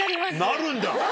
なるんだ！